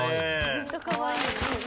ずっとかわいい。